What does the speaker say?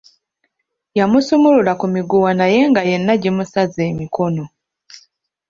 Yamusumulula ku miguwa naye nga yenna gimusaze emikono.